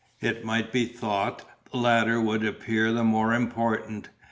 It might be thought the latter would appear the more important.